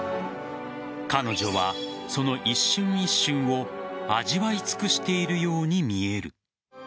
彼女はその一瞬一瞬を味わい尽くしているように見える。